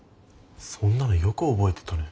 そんなのよく覚えてたね。